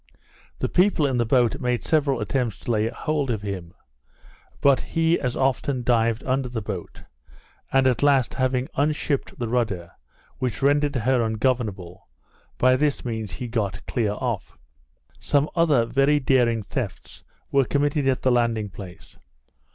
The people in the boat made several attempts to lay hold of him; but he as often dived under the boat, and at last having unshipped the rudder, which rendered her ungovernable, by this means he got clear off. Some other very daring thefts were committed at the landing place.